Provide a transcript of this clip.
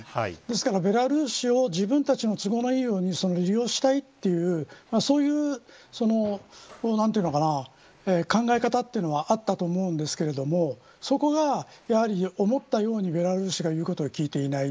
ベラルーシを自分たちの都合のいいように利用したいという考え方というのはあったと思うんですがそこが思ったようにベラルーシが言うことを聞いていない。